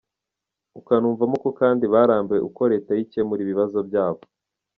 Ukanumvamo ko kandi barambiwe uko leta ye icyemura ibibazo byabo!